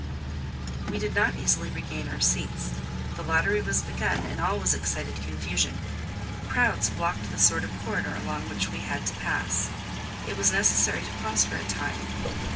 We did not easily regain our seats; the lottery was begun, and all was excited confusion; crowds blocked the sort of corridor along which we had to pass: it was necessary to pause for a time.